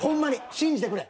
信じてくれ。